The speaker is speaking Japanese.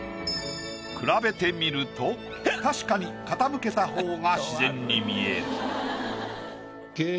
比べてみると確かに傾けた方が自然に見える。